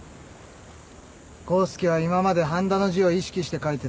康介は今まで半田の字を意識して書いてた。